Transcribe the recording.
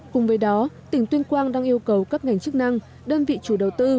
cùng với đó tỉnh tuyên quang đang yêu cầu các ngành chức năng đơn vị chủ đầu tư